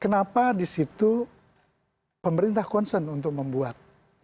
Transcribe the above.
kenapa di situ pemerintah konsen untuk membuat